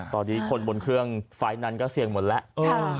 ตอนนี้คนบนเครื่องไฟล์นั้นก็เสี่ยงหมดแล้ว